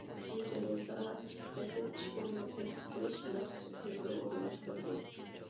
بۇ جەرياندا ئىككى قېتىم ئىش ئورنىغا تەكلىپ قىلىش مەخسۇس يىغىنى ئورۇنلاشتۇردى.